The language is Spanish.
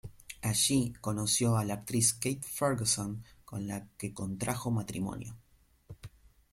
Allí conoció a la actriz Kate Ferguson, con la que contrajo matrimonio.